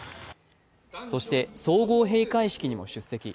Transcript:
そして、総合閉会式にも出席。